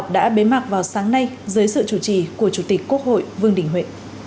đến mạc vào sáng nay dưới sự chủ trì của chủ tịch quốc hội vương đình huệ